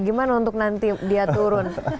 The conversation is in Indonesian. gimana untuk nanti dia turun